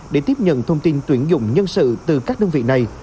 để tiếp nhận thông tin tuyển dụng nhân sự từ các đơn vị này